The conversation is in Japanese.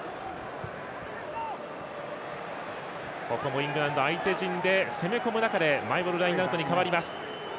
イングランド相手陣で攻め込む中でマイボールラインアウトに変わります。